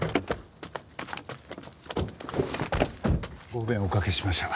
ご不便をおかけしました。